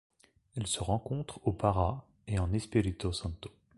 Elle se rencontre au Pará et en Espírito Santo.